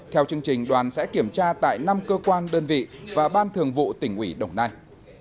theo chương trình đoàn sẽ kiểm tra tại năm cơ quan đơn vị và ban thường vụ tỉnh ủy đồng nai